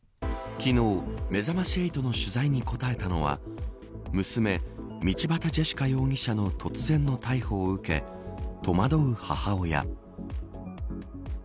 昨日めざまし８の取材に答えたのは娘、道端ジェシカ容疑者の突然の逮捕を受け戸惑う母親。